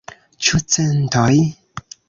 Ĉu centoj?